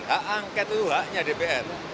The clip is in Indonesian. hak angket itu haknya dpr